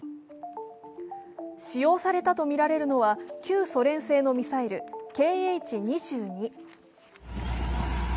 使用されたとみられるのは旧ソ連製のミサイル・Ｋｈ−２２。